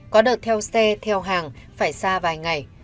có đợt theo xe theo hàng phải xa vài ngày